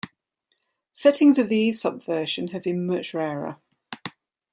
Settings of the Aesop version have been much rarer.